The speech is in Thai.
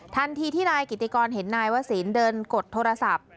ทันทีที่นายกิติกรเห็นนายวศิลป์เดินกดโทรศัพท์